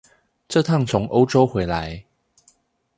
這趟從歐洲回來